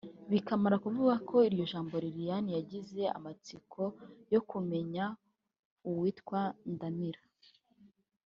Bakimara kuvuga iryo jambo Liliane yagize amatsiko yo kumenya uwitwa Ndamira